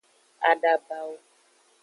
Adabawo.